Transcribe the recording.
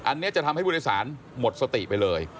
อันนี้จะทำให้ผู้โดยสารหมดสติไปเลย